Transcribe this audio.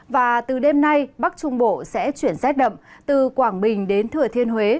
và từ đêm nay bắc trung bộ sẽ chuyển rét đậm từ quảng bình đến thừa thiên huế